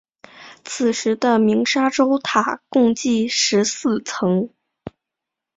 此时的鸣沙洲塔共计十四层。